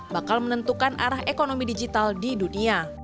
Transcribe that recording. bakal menentukan arah ekonomi digital di dunia